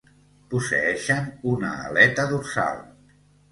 Posseeixen una aleta dorsal.